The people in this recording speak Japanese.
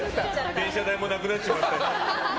電車代もなくなっちまった。